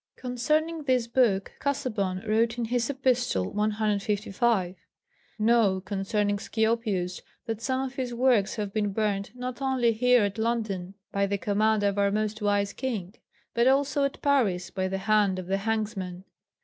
Concerning this book Casaubon wrote in his Epistle CLV.: "Know concerning Scioppius that some of his works have been burned not only here at London by the command of our most wise King, but also at Paris by the hand of the hangsman.